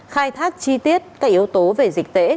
khai thác chi tiết các yếu tố về dịch tễ